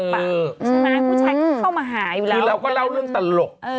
ผู้ชายก็เข้ามาหาอยู่แล้วคือเราก็เล่าเรื่องตลก